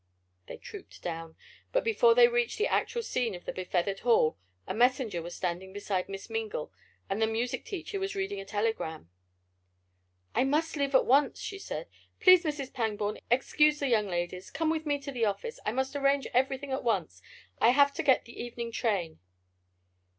They trooped down. But before they reached the actual scene of the befeathered hall, a messenger was standing beside Miss Mingle, and the music teacher was reading a telegram. "I must leave at once!" she said. "Please, Mrs. Pangborn, excuse the young ladies! Come with me to the office! I must arrange everything at once! I have to get the evening train!"